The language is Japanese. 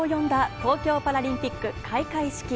東京パラリンピック開会式。